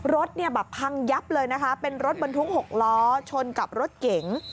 รถเนี่ยแบบพังยับเลยนะคะเป็นรถบรรทุก๖ล้อชนกับรถเก๋ง